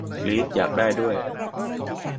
กรี๊ด อยากได้ด้วย